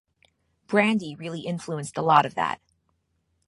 Brandy really influenced a lot of that.